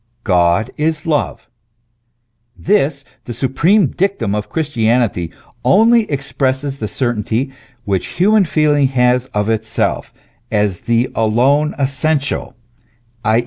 " God is love :" this, the supreme dictum of Chris tianity, only expresses the certainty which human feeling has of itself, as the alone essential, i.